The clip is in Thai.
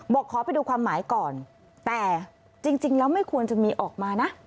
ขอไปดูความหมายก่อนแต่จริงแล้วไม่ควรจะมีออกมานะ